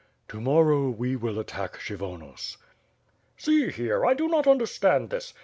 "To morrow we will attack Kshyvonos." "See here, I do not understand this.